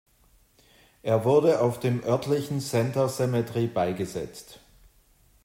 Er wurde auf dem örtlichen "Center Cemetery" beigesetzt.